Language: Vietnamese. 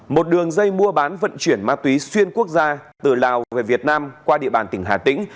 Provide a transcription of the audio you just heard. một đường dây mua bán vận chuyển ma túy xuyên quốc gia từ lào về việt nam qua địa bàn tỉnh hà tĩnh